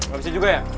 gak bisa juga ya